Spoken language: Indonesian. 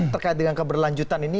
terkait dengan keberlanjutan ini